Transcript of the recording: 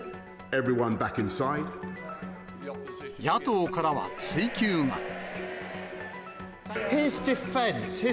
野党からは追及が。